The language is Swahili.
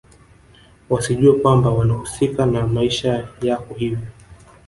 wasijue kwamba wanahusika na maisha yako hivyo